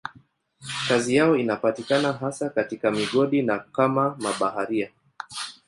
Kazi yao inapatikana hasa katika migodi na kama mabaharia.